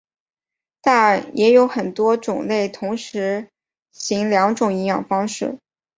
但也有很多种类同时行两种营养方式。